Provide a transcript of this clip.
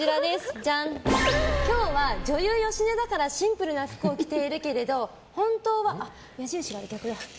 今日は女優・芳根だからシンプルな服を着ているけれど本当は矢印が逆だ。